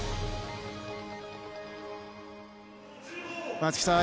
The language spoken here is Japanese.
松木さん